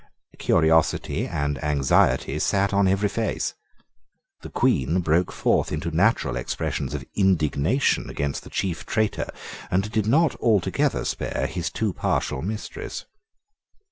Curiosity and anxiety sate on every face. The Queen broke forth into natural expressions of indignation against the chief traitor, and did not altogether spare his too partial mistress.